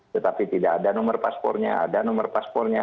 tetapi tidak ada nomor paspornya ada nomor paspornya